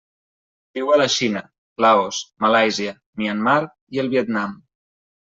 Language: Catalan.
Viu a la Xina, Laos, Malàisia, Myanmar i el Vietnam.